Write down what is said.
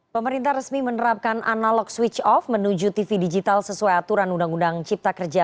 pemerintah resmi menerapkan analog switch off menuju tv digital sesuai aturan undang undang cipta kerja